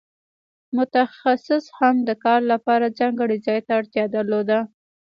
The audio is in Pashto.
متخصص هم د کار لپاره ځانګړي ځای ته اړتیا درلوده.